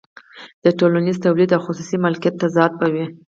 د ټولنیز تولید او خصوصي مالکیت تضاد به وي